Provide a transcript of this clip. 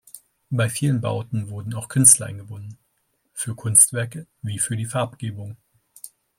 Bei vielen Bauten wurden auch Künstler eingebunden, für Kunstwerke wie für die Farbgebung.